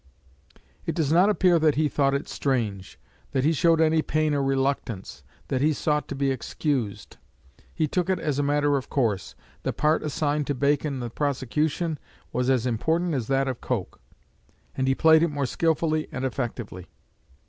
It does not appear that he thought it strange, that he showed any pain or reluctance, that he sought to be excused. He took it as a matter of course. The part assigned to Bacon in the prosecution was as important as that of Coke; and he played it more skilfully and effectively.